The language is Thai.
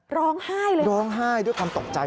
ร้องไห้เลยร้องไห้ด้วยความตกใจ